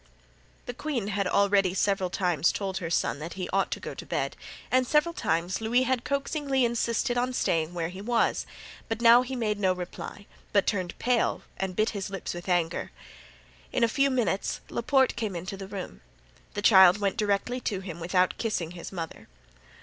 The queen had several times already told her son that he ought to go to bed, and several times Louis had coaxingly insisted on staying where he was; but now he made no reply, but turned pale and bit his lips with anger. In a few minutes Laporte came into the room. The child went directly to him without kissing his mother.